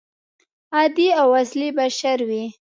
عادي او اصلي بشر وي.